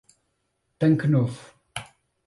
Tanque Novo